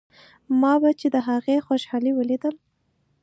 ما به چې د هغې خوشالي وليده.